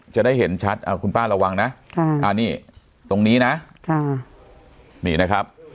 จะได้เห็นชัดอ่าคุณป้าระวังนะค่ะอ่านี่ตรงนี้นะค่ะนี่นะครับ